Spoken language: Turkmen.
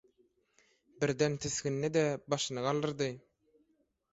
Birden tisgindi-de başyny galdyrdy.